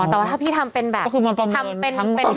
แต่ว่าถ้าพี่ทำเป็นแบบคือมันประเมิน